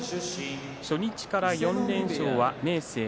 初日から４連勝は明生